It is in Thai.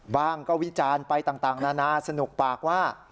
บ้างก็วิจารณ์ไปต่างนานาสนุกปากว่า